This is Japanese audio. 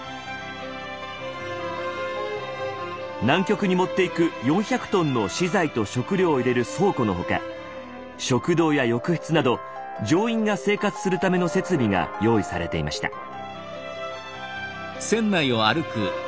南極に持っていく４００ｔの資材と食料を入れる倉庫の他食堂や浴室など乗員が生活するための設備が用意されていました。